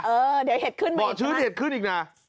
เออเดี๋ยวเห็ดขึ้นมาบ่อชื้นเห็ดขึ้นอีกนะ